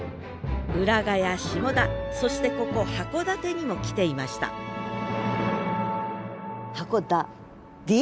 浦賀や下田そしてここ函館にも来ていましたハコダディ？